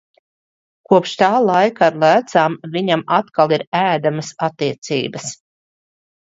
Kopš tā laika ar lēcām viņam atkal ir ēdamas attiecības.